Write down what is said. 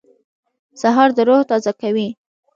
سهار د روح تازه کوي.